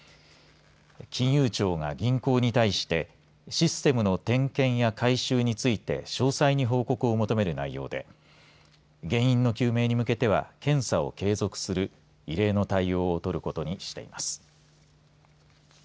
金融庁が銀行に対してシステムの点検や改修について詳細に方向を求める内容で原因の究明に向けては検査を継続する異例の対応をとることにしています。